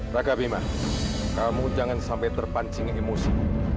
rakabima kamu jangan sampai terpancing emosi